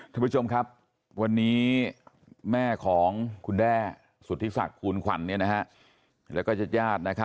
ท่านผู้ชมครับวันนี้แม่ของคุณแด้สุธิศักดิ์คูณขวัญแล้วก็ญาติญาติ